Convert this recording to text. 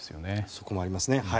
そこもありますね。